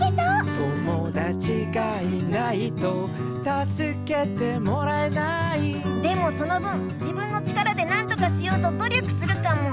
「友だちがいないとたすけてもらえない」でもその分自分の力でなんとかしようと努力するかも！